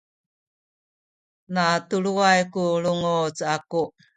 natuluway ku lunguc aku